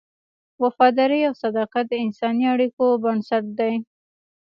وفاداري او صداقت د انساني اړیکو بنسټ دی.